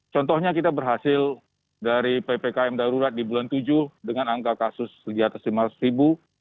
contohnya kita berhasil dari ppkm darurat di bulan tujuh dengan angka kasus di atas lima ratus ribu